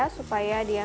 supaya dia enak